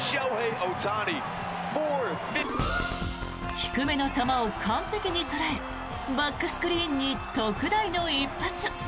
低めの球を完璧に捉えバックスクリーンに特大の一発。